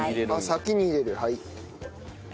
先に入れるはい。